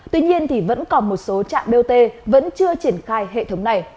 tuy nhiên vẫn còn một số trạm bot vẫn chưa triển khai hệ thống này